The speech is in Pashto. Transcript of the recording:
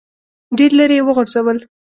ډېر لیرې یې وغورځول.